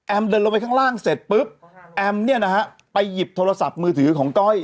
เดินลงไปข้างล่างเสร็จปุ๊บแอมเนี่ยนะฮะไปหยิบโทรศัพท์มือถือของก้อย